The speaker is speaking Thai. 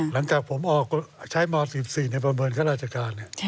หลังจากผมออกใช้ม๑๔ในประเมินข้าราชการ